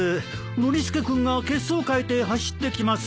ノリスケ君が血相を変えて走ってきます。